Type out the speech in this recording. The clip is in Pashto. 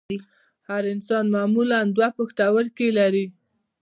هر انسان معمولاً دوه پښتورګي لري